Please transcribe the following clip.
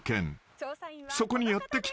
［そこにやって来たのは］